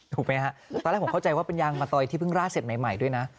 ถูกไหมฮะตอนแรกผมเข้าใจว่าเป็นยางมะตอยที่เพิ่งราดเสร็จใหม่ด้วยนะ